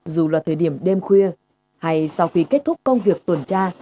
dù là thời điểm đêm khuya hay sau khi kết thúc công việc tuần tra